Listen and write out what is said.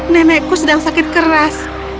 nenekku sedang sakit keras